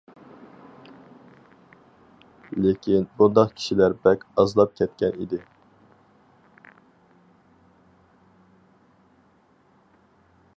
لېكىن بۇنداق كىشىلەر بەك ئازلاپ كەتكەن ئىدى.